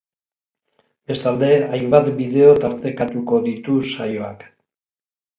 Bestalde, hainbat bideo tartekatuko ditu saioak.